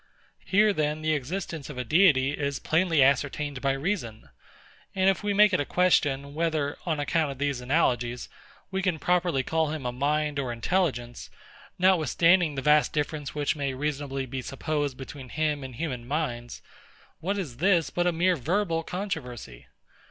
Here then the existence of a DEITY is plainly ascertained by reason: and if we make it a question, whether, on account of these analogies, we can properly call him a mind or intelligence, notwithstanding the vast difference which may reasonably be supposed between him and human minds; what is this but a mere verbal controversy?